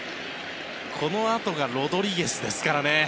このあとがロドリゲスですからね。